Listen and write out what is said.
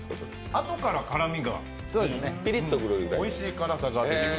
あとから辛みが、おいしい辛さが。